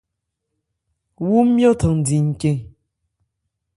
Wú ńmyɔ́ thándi ncɛ̂n ?